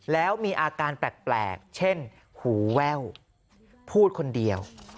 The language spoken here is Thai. แล้วมีอาการแปลกเช่นหูแว่วพูดคนเดียว